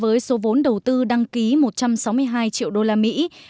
với số vốn đầu tư đăng ký một trăm sáu mươi hai triệu usd